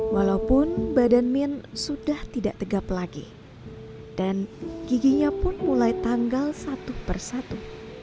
walaupun badan min sudah tidak tegap lagi dan giginya pun mulai tanggal satu persatu